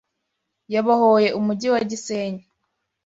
yabohoye Umujyi wa Gisenyi